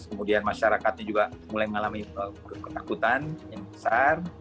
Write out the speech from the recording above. kemudian masyarakatnya juga mulai mengalami ketakutan yang besar